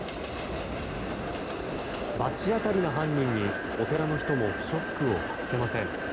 罰当たりな犯人にお寺の人もショックを隠せません。